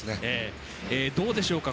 どうでしょうか？